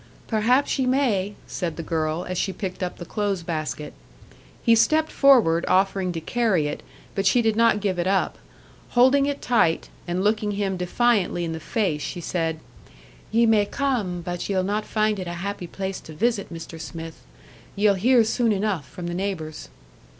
"Perhaps ye may," said the girl, as she picked up the clothes basket. He stepped forward, offering to carry it, but she did not give it up. Holding it tight, and looking him defiantly in the face, she said, "Ye may come, but ye'll not find it a happy place to visit, Mr. Smith. Ye'll hear soon enough from the neighbours."